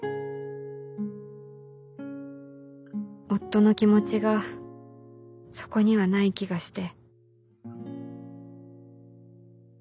夫の気持ちがそこにはない気がして。